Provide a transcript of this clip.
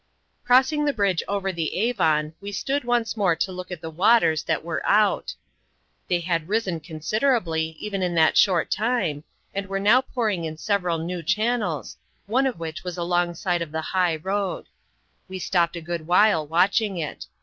Crossing the bridge over the Avon, we stood once more to look at the waters that were "out." They had risen considerably, even in that short time, and were now pouring in several new channels, one of which was alongside of the high road; we stopped a good while watching it.